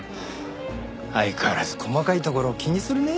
相変わらず細かいところを気にするねえ。